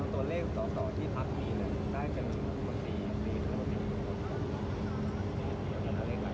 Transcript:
ตัวเลขต่อที่พักมีจะได้ส่วนดีที่ยังมีการดีละครับ